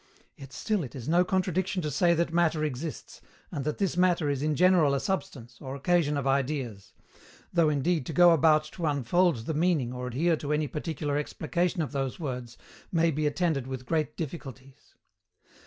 yet still it is no contradiction to say that Matter exists, and that this Matter is in general a substance, or occasion of ideas; though indeed to go about to unfold the meaning or adhere to any particular explication of those words may be attended with great difficulties.